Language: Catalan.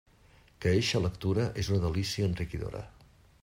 Que eixa lectura és una delícia enriquidora.